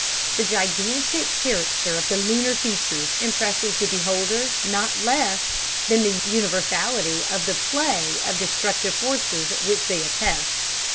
The gigantic character of the lunar features impresses the beholder not less than the universality of the play of destructive forces which they attest.